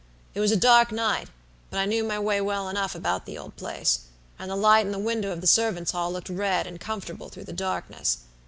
It was a dark night, but I knew my way well enough about the old place, and the light in the window of the servants' hall looked red and comfortable through the darkness.